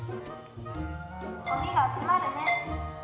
「ごみが集まるね」。